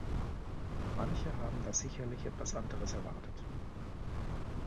Manche haben da sicherlich etwas anderes erwartet.